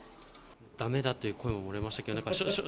だめだという声も漏れましたけれども。